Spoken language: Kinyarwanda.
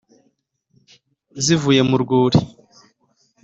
zivuye mu rwuri